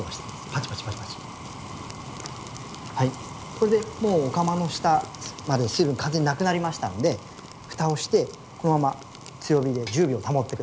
これでもうお釜の下まで水分完全になくなりましたので蓋をしてこのまま強火で１０秒保ってください。